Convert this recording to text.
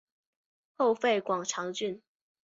后废广长郡。